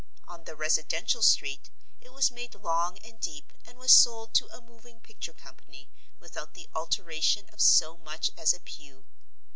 On the residential street it was made long and deep and was sold to a moving picture company without the alteration of so much as a pew.